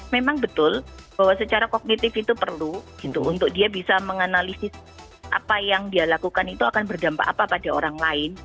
memang betul bahwa secara kognitif itu perlu untuk dia bisa menganalisis apa yang dia lakukan itu akan berdampak apa pada orang lain